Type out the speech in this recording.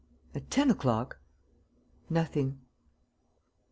At ten o'clock, nothing.